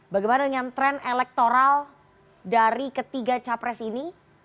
bagaimana dengan tren elektoral dari ketiga capres ini